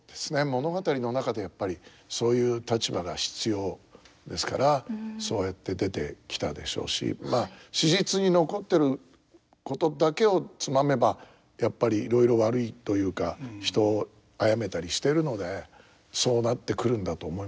物語の中でやっぱりそういう立場が必要ですからそうやって出てきたでしょうしまあ史実に残ってることだけをつまめばやっぱりいろいろ悪いというか人を殺めたりしてるのでそうなってくるんだと思いますけど。